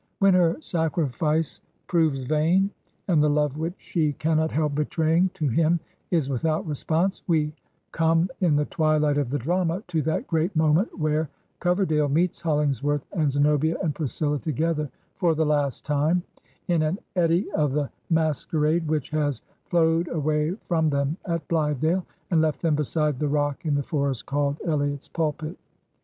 When her sacrifice proves vain, and the love which she cannot help betraying to him is without response, we come, in the twilight of the drama, to that great moment where Coverdale meets Hollingsworth and Zenobia and Priscilla together for the last time, in an eddy of the masquerade which has flowed away from them at Blithe dale, and left them beside the rock in the forest called Ehot's Ptdpit.